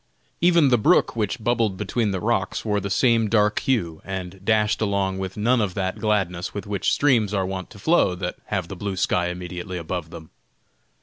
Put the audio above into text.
Even the brook which bubbled between the rocks wore the same dark hue, and dashed along with none of that gladness with which streams are wont to flow that have the blue sky immediately above them.